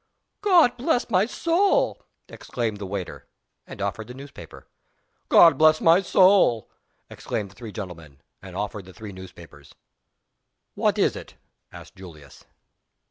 "God bless my soul!" exclaimed the waiter and offered the newspaper. "God bless my soul!" exclaimed the three gentlemen and offered the three newspapers. "What is it?" asked Julius.